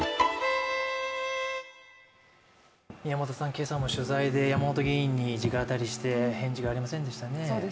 今朝も取材で山本議員に直当たりして返事がありませんでしたね。